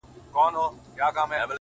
اصل په گدله کي، کم اصل په گزبره کي.